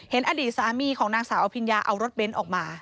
อดีตสามีของนางสาวอภิญญาเอารถเบ้นออกมา